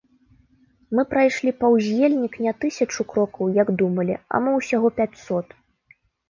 Мы прайшлі паўз ельнік не тысячу крокаў, як думалі, а мо ўсяго пяцьсот.